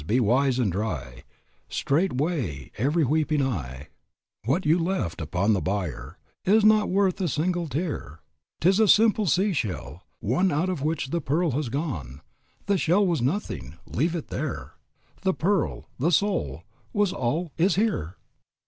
be wise and dry Straightway every weeping eye; What you left upon the bier Is not worth a single tear; 'Tis a simple sea shell, one Out of which the pearl has gone. The shell was nothing, leave it there; The pearl the soul was all, is here."